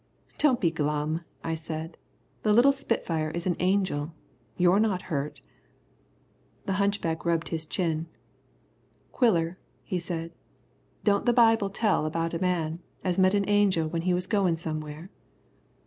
"Don't be glum," I said. "The little spitfire is an angel. You're not hurt." The hunchback rubbed his chin. "Quiller," he said, "don't the Bible tell about a man that met an angel when he was a goin' somewhere?"